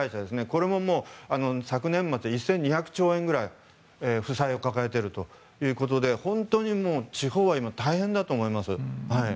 これも昨年末１２００兆円ぐらい負債を抱えているということで地方は今、本当に大変だと思います。